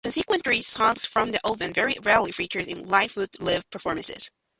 Consequently, songs from the album very rarely feature in Lightfoot's live performances.